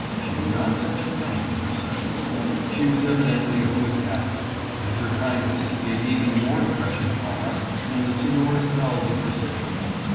She would not touch a penny for her service. She was evidently a good Catholic, and her kindness made even more impres sion upon us than the sonorous bells of her city.